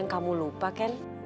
kamu lupa ken